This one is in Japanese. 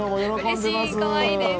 うれしい、かわいいです。